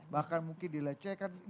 bahkan mungkin dilecehkan